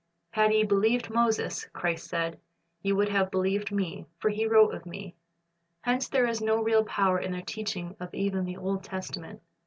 "Had ye believed Moses," Christ said, "ye would have believed Me; for he wrote of Me."^ Hence there is no real power in their teaching of even the Old Testament.